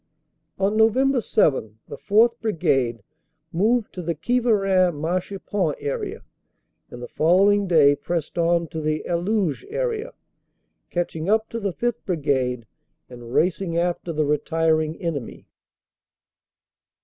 On Nov. 7 the 4th. Brigade moved to the Quievrain Marchipont area, and the following day pressed on to the Elouges area, catching up to the 5th. Brigade and racing after the retiring enemy.